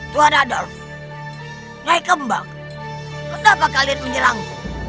tua nadop nyai kembang kenapa kalian menyerangku